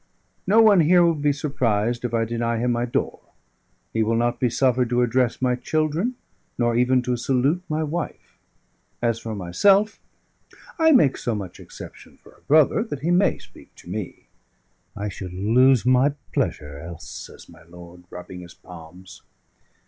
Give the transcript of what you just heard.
No one here will be surprised if I deny him my door; he will not be suffered to address my children, nor even to salute my wife: as for myself, I make so much exception for a brother that he may speak to me. I should lose my pleasure else," says my lord, rubbing his palms.